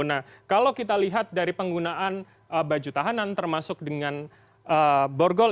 nah kalau kita lihat dari penggunaan baju tahanan termasuk dengan borgol